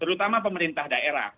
pertama pemerintah daerah